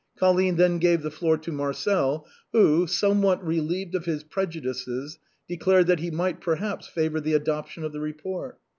Colline then gave the floor to Marcel, who, somewhat relieved of his prejudices, declared that he might perhaps favor the adoption of the report.